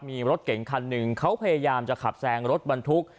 มีรถเก่งคันหนึ่งเขาพยายามจะขับแซงรถบรรทุก